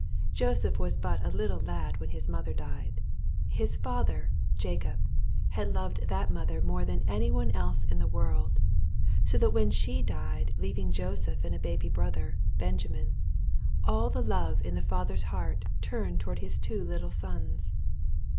Joseph was but a little lad when his mother died. His father, Jacob, had loved that mother more than any one else in the world, so that when she died leaving Joseph and a baby brother, Benjamin, all the love in the father's heart turned to his two little sons.